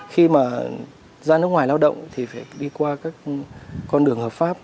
khi mà ra nước ngoài lao động thì phải đi qua các con đường hợp pháp